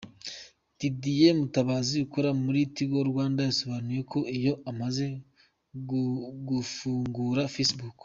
Didier Mutabazi ukora muri Tigo Rwanda yasobanuye ko iyo umaze gufungura facebook.